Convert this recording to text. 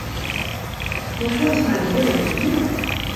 Do hellest my de wurden út de mûle.